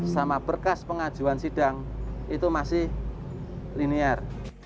sama berkas pengajuan sidang itu masih linier